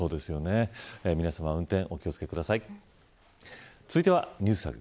皆さま運転お気を付けください。